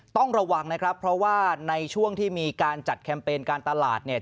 ต้องระวังนะครับเพราะว่าในช่วงที่มีการจัดแคมเปญการตลาดเนี่ย